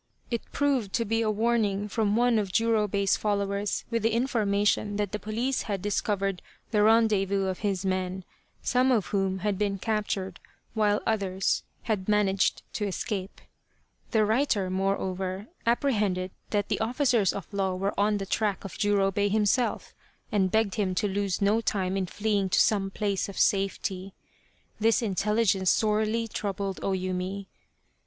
It proved to be a warning from one of Jurobei's followers with the information that the police had discovered the rendezvous of his men some of whom had been captured while others had managed to escape. The writer, moreover, appre hended that the officers of law were on the track of Jurobei himself, and begged him to lose no time in fleeing to some place of safety. This intelligence sorely troubled O Yumi.